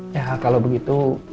ya kalau begitu